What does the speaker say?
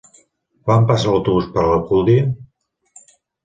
Quan passa l'autobús per Alcúdia?